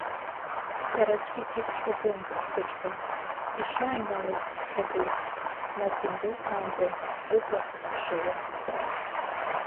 Сара аӡәгьы сицәшәаӡом, сыҷкәын ишааҩналаз исԥхьаӡеит, нас индәылҵаанӡа рыбла сыхԥшылон.